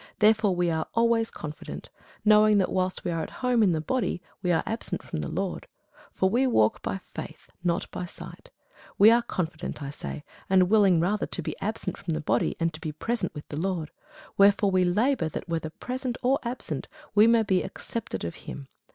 Therefore we are always confident, knowing that, whilst we are at home in the body, we are absent from the Lord: (for we walk by faith, not by sight:) we are confident, I say, and willing rather to be absent from the body, and to be present with the Lord. Wherefore we labour, that, whether present or absent, we may be accepted of him.